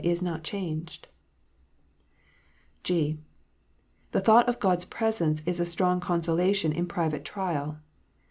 is not changed. (g) The thought of God s presence is a strong consolation in private trial.